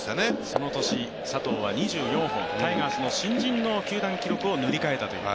その年、佐藤は２４本、タイガースの新人の球団記録を塗り替えたという。